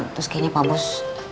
terus kayaknya pak bos